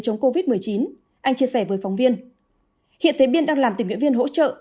chống covid một mươi chín anh chia sẻ với phóng viên hiện thế biên đang làm tình nguyện viên hỗ trợ